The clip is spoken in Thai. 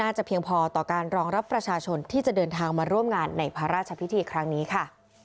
จะเพียงพอต่อการรองรับประชาชนที่จะเดินทางมาร่วมงานในพระราชพิธีครั้งนี้ค่ะ